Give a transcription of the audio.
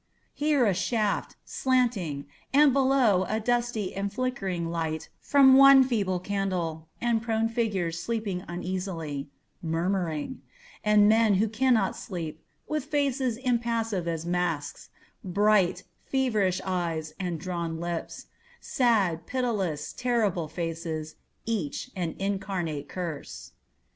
Here a shaft, slanting, and below A dusty and flickering light from one feeble candle And prone figures sleeping uneasily, Murmuring, And men who cannot sleep, With faces impassive as masks, Bright, feverish eyes, and drawn lips, Sad, pitiless, terrible faces, Each an incarnate curse.